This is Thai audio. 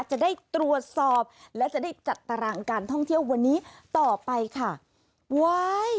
จะได้ตรวจสอบและจะได้จัดตารางการท่องเที่ยววันนี้ต่อไปค่ะว้าย